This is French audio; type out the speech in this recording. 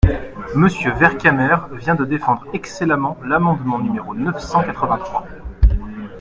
Monsieur Vercamer vient de défendre excellemment l’amendement numéro neuf cent quatre-vingt-trois.